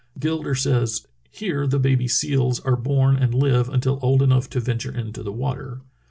Gilder says: "Here the baby seals are born and live until old enough to venture into the water.